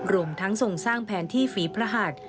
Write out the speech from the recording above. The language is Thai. รวมทั้งทรงสร้างแผนที่ฝีพระหัส